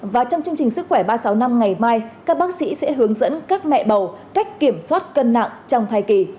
và trong chương trình sức khỏe ba trăm sáu mươi năm ngày mai các bác sĩ sẽ hướng dẫn các mẹ bầu cách kiểm soát cân nặng trong thai kỳ